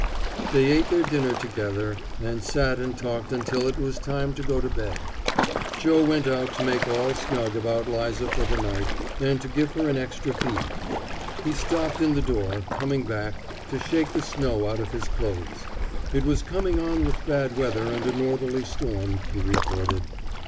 They ate their dinner together, and sat and talked until it was time to go to bed. Joe went out to make all snug about 'Liza for the night and to give her an extra feed. He stopped in the door, coming back, to shake the snow out of his clothes. It was coming on with bad weather and a northerly storm, he reported.